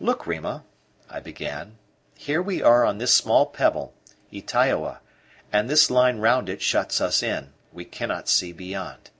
"Look, Rima," I began, "here we are on this small pebble Ytaioa; and this line round it shuts us in we cannot see beyond.